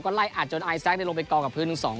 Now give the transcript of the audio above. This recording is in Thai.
ก็ไล่อัดจนไอซักได้ลงไปกองกับพื้น